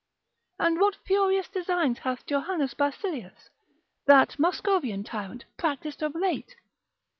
And what furious designs hath Jo. Basilius, that Muscovian tyrant, practised of late?